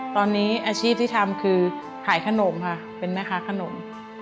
ตอนนี้อาชีพที่ทำคือขายขนมค่ะเป็นแม่ค้าขนม